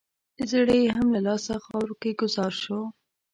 زړه یې هم له لاسه خاورو کې ګوزار شو.